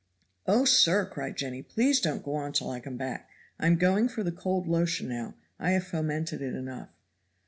"Oh, sir," cried Jenny, "please don't go on till I come back. I am going for the cold lotion now; I have fomented it enough."